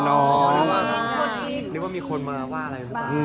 นึกว่ามีคนมาว่าอะไร